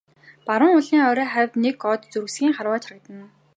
Баруун уулын орой хавьд нэг од зурсхийн харваж харагдана.